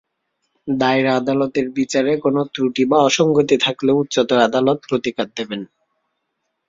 দায়রা আদালতের বিচারে কোনো ত্রুটি বা অসংগতি থাকলে উচ্চতর আদালত প্রতিকার দেবেন।